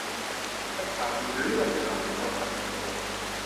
ได้ข่าวดีเรื่องการประกันตัว